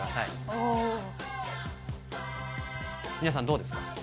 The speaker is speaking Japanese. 皆さんどうですか？